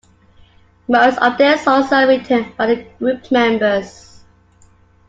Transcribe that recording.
Most of their songs are written by the group members.